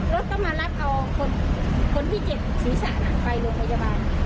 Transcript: แล้วก็รถต้องมารับเอาคนที่เจ็บศีรษะไปโรงพยาบาล